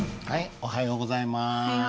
おはようございます。